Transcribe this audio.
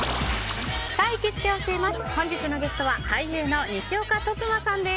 本日のゲストは俳優の西岡徳馬さんです。